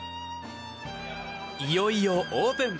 いよいよオープン！